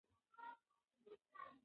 ښوونکي د زده کوونکو وړتیاوې کشفوي.